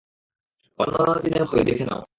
অন্যান্য দিনের মতোই, দেখে নাও।